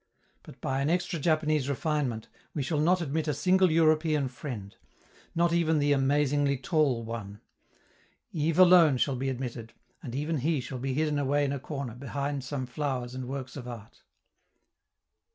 But, by an extra Japanese refinement, we shall not admit a single European friend not even the "amazingly tall" one. Yves alone shall be admitted, and even he shall be hidden away in a corner behind some flowers and works of art.